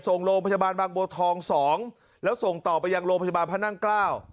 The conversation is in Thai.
ส่งโรงพยาบาลบางบัวทองสองแล้วส่งต่อไปยังโรงพยาบาลพระนั่งเกล้า